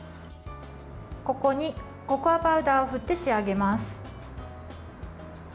ここにココアパウダーを振って仕上げます。